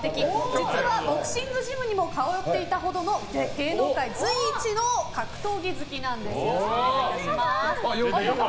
実は、ボクシングジムにも通っていたほどの芸能界随一の格闘技好きです。